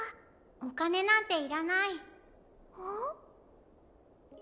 おかねなんていらない。